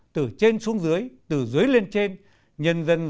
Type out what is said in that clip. từ trên xuống dưới từ dưới lên trên